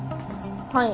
はい。